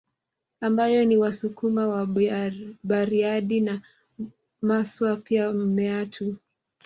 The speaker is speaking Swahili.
Ambayo ni Wasukuma wa Bariadi na Maswa pia Meatu